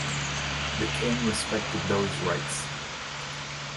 The king respected those rights.